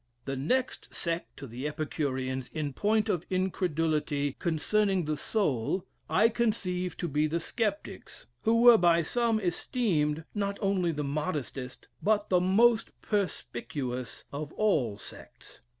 The next sect to the Epicureans, in point of incredulity, concerning the soul, I conceive to be the Sceptics, who were by some esteemed, not only the modestest, but the most perspicuous of all sects.